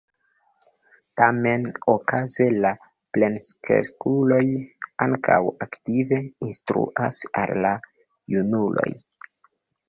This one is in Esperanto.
Tamen, okaze la plenkreskuloj ankaŭ aktive instruas al la junuloj.